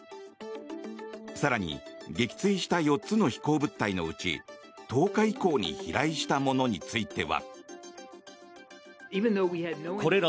更に撃墜した４つの飛行物体のうち１０日以降に飛来したものについては。